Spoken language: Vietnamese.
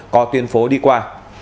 có tuyên phố đi qua